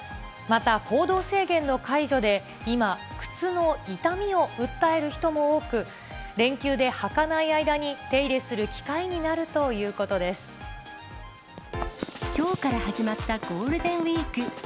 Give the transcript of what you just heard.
また行動制限の解除で、今、靴の傷みを訴える人も多く、連休で履かない間に手入れする機きょうから始まったゴールデンウィーク。